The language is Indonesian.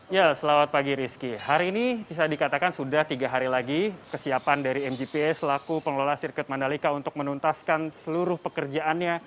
ya selamat pagi rizky hari ini bisa dikatakan sudah tiga hari lagi kesiapan dari mgpa selaku pengelola sirkuit mandalika untuk menuntaskan seluruh pekerjaannya